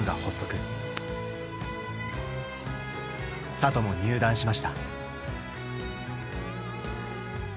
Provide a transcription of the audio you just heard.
里も入団しました。